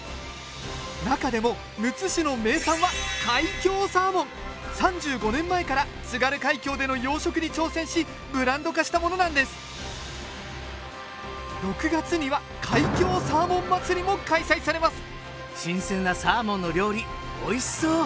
中でもむつ市の名産は３５年前から津軽海峡での養殖に挑戦しブランド化したものなんです６月には海峡サーモン祭りも開催されます新鮮なサーモンの料理おいしそう！